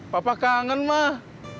papa kangen mak